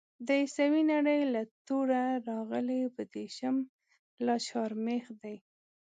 د عيسوي نړۍ له توړه راغلی بدېشم لا چهارمېخ دی.